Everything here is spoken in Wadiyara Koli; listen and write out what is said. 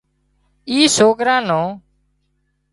اِي سوڪرا نو